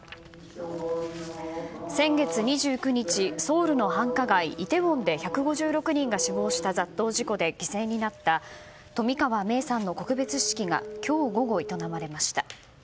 先月２９日、ソウルの繁華街イテウォンで１５６人が死亡した雑踏事故で犠牲になった冨川芽生さんの告別式が今日午後、営まれました。